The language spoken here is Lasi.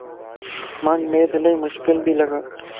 مانک Math الائي مشڪل تو لڳ